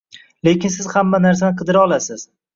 lekin siz hamma narsani qidira olasiz.